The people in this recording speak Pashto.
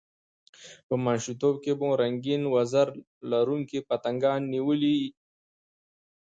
په ماشومتوب کښي به مو رنګین وزر لرونکي پتنګان نیولي يي!